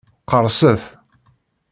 Qerrset!